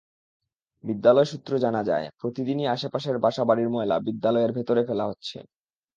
বিদ্যালয় সূত্রে জানা যায়, প্রতিদিনই আশপাশের বাসাবাড়ির ময়লা বিদ্যালয়ের ভেতরে ফেলা হচ্ছে।